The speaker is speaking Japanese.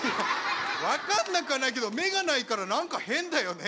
分かんなくはないけど目がないから何か変だよね。